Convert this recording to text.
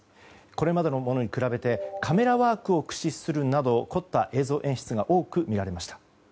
これまでのものに比べてカメラワークを駆使するなど凝った映像演出が多く見られました。